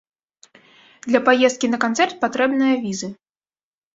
Для паездкі на канцэрт патрэбная візы.